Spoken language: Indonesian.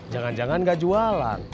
jangan jangan gak jualan